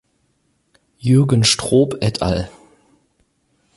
Jürgen Stroop et al.